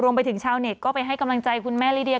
รวมไปถึงชาวเน็ตก็ไปให้กำลังใจคุณแม่ลิเดีย